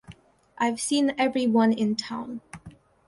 I've seen every one in town.